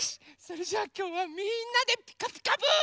それじゃあきょうはみんなで「ピカピカブ！」。